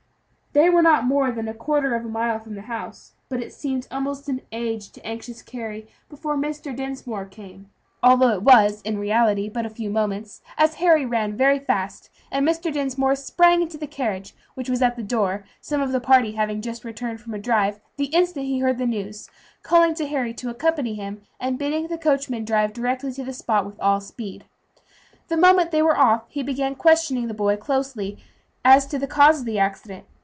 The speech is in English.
They were not more than a quarter of a mile from the house, but it seemed almost an age to the anxious Carry before Mr. Dinsmore came; although it was in reality but a few moments, as Harry ran very fast, and Mr. Dinsmore sprang into the carriage which was at the door, some of the party having just returned from a drive the instant he heard the news, calling to Harry to accompany him, and bidding the coachman drive directly to the spot, with all speed. The moment they were off he began questioning the boy closely as to the cause of the accident.